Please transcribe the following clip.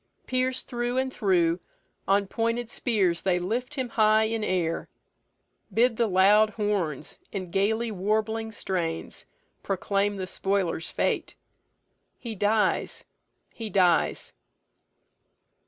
Pierc'd through and through, On pointed spears they lift him high in air; Bid the loud horns, in gaily warbling strains, Proclaim the spoiler's fate: he dies, he dies."